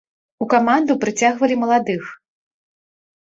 У каманду прыцягвалі маладых.